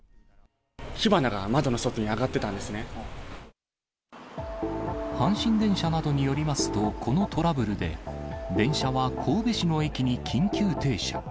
火花が窓の外に上がってたん阪神電車などによりますと、このトラブルで、電車は神戸市の駅に緊急停車。